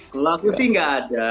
kalau aku sih nggak ada